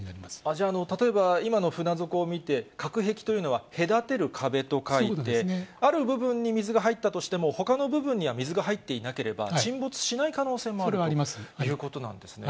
じゃあ、例えば、今の船底を見て、隔壁というのは、隔たる壁と書いて、ある部分に水が入ったとしても、ほかの部分には水が入っていなければ、沈没しない可能性もあるということなんですね。